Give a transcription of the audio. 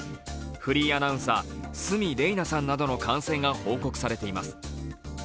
フリーアナウンサー鷲見玲奈さんなどの感染が報告されています。